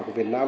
của việt nam